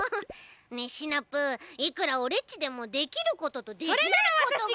ねえシナプーいくらオレっちでもできることとできないことが。